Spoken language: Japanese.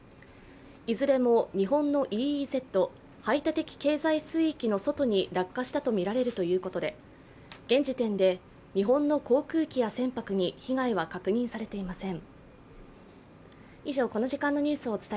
いずれも日本のＥＥＺ＝排他的経済水域の外に落下したとみられるということで、現時点で日本の航空機や船舶に被害は確認されていません。